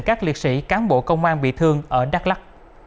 các liệt sĩ cán bộ công an bị thương ở đắk lắc